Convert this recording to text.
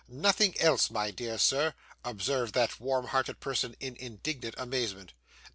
'Nothing else, my dear Sir!' observed that warm hearted person in indignant amazement.